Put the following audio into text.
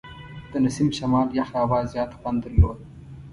د نسیم شمال یخه هوا زیات خوند درلود.